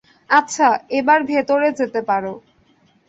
আচ্ছা, এবার ভেতরে যেতে পারো।